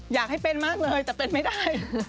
อยากให้เป็นมากเลยแต่เป็นไม่ได้